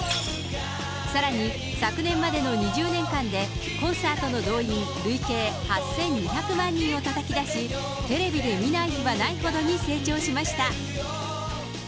さらに昨年までの２０年間で、コンサートの動員累計８２００万人をたたき出し、テレビで見ない日はないほどに成長しました。